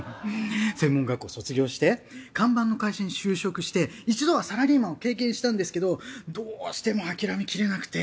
専門学校卒業して看板の会社に就職して一度はサラリーマンを経験したんですけどどうしても諦めきれなくて。